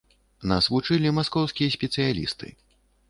Нас вучылі маскоўскія спецыялісты.